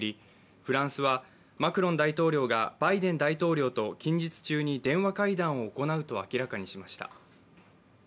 フランスはマクロン大統領がバイデン大統領と近日中に電話会談を行うと明らかにしました。